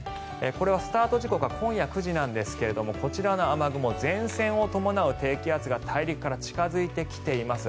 スタート時間は今夜９時ですがこちらの雨雲前線を伴う低気圧が大陸から近付いてきています。